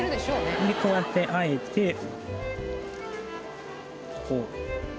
それでこうやって和えてこう。